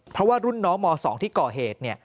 เพราะว่ารุ่นน้องม๒ที่ก่อเหตุเนี่ย